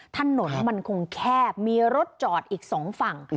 ถนนมันคงแคบมีรถจอดอีกสองฝั่ง